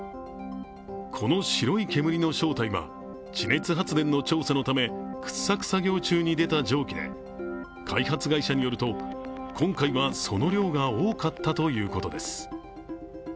この白い煙の正体は地熱発電の調査のため掘削作業中に出た蒸気で開発会社によると、今回はその量が多かったということです。